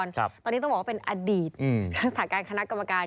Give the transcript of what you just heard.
ตอนนี้ต้องบอกว่าเป็นอดีตรักษาการคณะกรรมการ